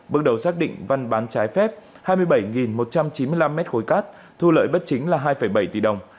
bước đầu xác định văn bán trái phép hai mươi bảy một trăm chín mươi năm mét khối cát thu lợi bất chính là hai bảy tỷ đồng